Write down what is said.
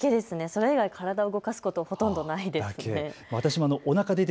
それ以外体を動かすことほとんどないです。